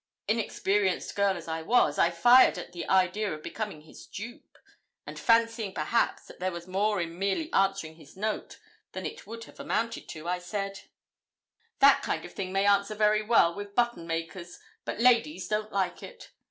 Inexperienced girl as I was, I fired at the idea of becoming his dupe, and fancying, perhaps, that there was more in merely answering his note than it would have amounted to, I said 'That kind of thing may answer very well with button makers, but ladies don't like it.